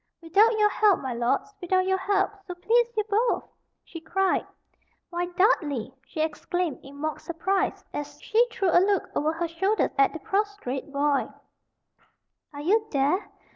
"Without your help, my lords without your help, so please you both," she cried. "Why, Dudley," she exclaimed, in mock surprise, as she threw a look over her shoulder at the prostrate boy, "are you there?